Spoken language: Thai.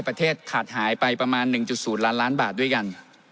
ประเทศขาดหายไปประมาณ๑๐ล้านล้านบาทด้วยกัน